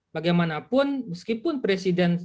bagaimanapun meskipun presiden